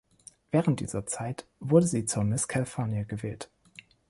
Während dieser Zeit wurde sie zur Miss California gewählt.